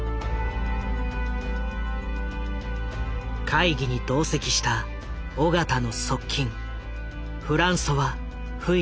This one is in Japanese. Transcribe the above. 会議に同席した緒方の側近フランソワ・フイナ。